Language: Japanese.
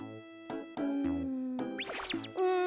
うんうん。